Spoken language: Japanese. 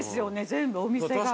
全部お店が。